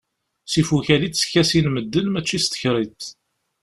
S ifukal i tteskasin medden, mačči s tekriṭ...